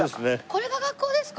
これが学校ですか？